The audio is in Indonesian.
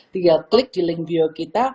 dia klik di link bio kita